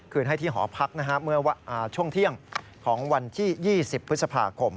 ให้ที่หอพักเมื่อช่วงเที่ยงของวันที่๒๐พฤษภาคม